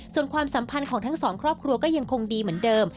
ส่วนความสัมพันธ์ของทั้งสองครอบครัวก็ยังคงดีเหมือนเดิม